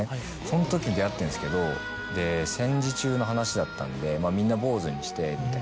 そのときに出会ってんですけど戦時中の話だったのでみんな坊ずにして。